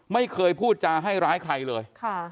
ไม่เคยพูดจาให้ร้ายใครเลย